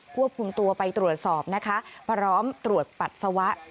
ควบคุมตัวไปตรวจสอบนะคะพร้อมตรวจปัสสาวะ